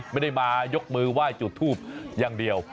ไม่ได้มายกมือไหว้จุดทูปอย่างเดียว